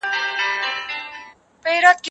دا مکتب له هغه ښه دی،